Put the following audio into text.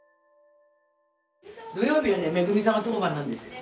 土曜日はねめぐみさんの当番なんですよ。